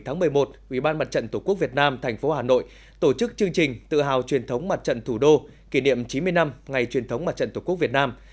ngày bảy một mươi một ubnd tp hà nội tổ chức chương trình tự hào truyền thống mặt trận thủ đô kỷ niệm chín mươi năm ngày truyền thống mặt trận tổ quốc việt nam